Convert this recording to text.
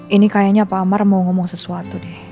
ini kayaknya pak amar mau ngomong sesuatu deh